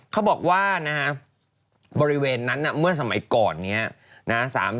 เขาบอกว่านะฮะบริเวณนั้นเมื่อสมัยก่อนเนี่ยนะฮะ